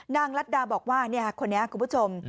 ลัดดาบอกว่าคนนี้คุณผู้ชม